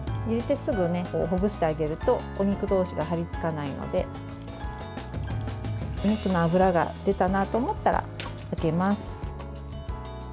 入れてすぐほぐしてあげるとお肉同士が貼りつかないのでお肉の脂が出たなと思ったら上げます。